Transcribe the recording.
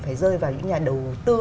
phải rơi vào những nhà đầu tư